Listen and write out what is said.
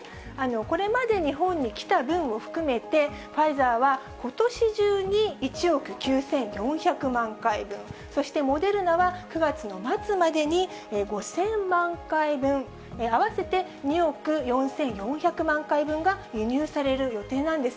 これまで日本に来た分を含めて、ファイザーは、ことし中に１億９４００万回分、そしてモデルナは９月の末までに５０００万回分、合わせて２億４４００万回分が輸入される予定なんです。